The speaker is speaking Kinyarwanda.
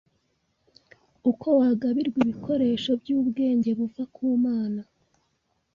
uko wagabirwa ibikoresgo by’ubwenge buva ku Mana